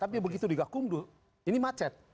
tapi begitu digakum dulu ini macet